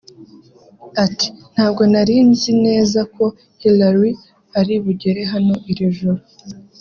Ati “Ntabwo nari nzi neza ko Hillary ari bugere hano iri joro